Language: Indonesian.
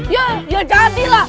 ya ya jadilah